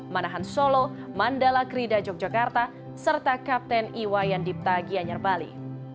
manahan solo mandala kerida yogyakarta serta kapten iwayandip tagianyar bali